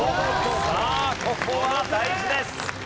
さあここは大事です。